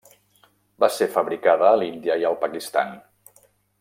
Va ser fabricada a l'Índia i al Pakistan.